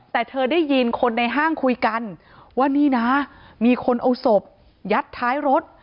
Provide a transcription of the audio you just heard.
แต่เธอได้ยินคนในห้างคุยกันว่านี่นะมีคนเอาศพยัดท้ายรถ